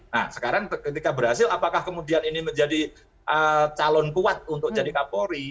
nah sekarang ketika berhasil apakah kemudian ini menjadi calon kuat untuk jadi kapolri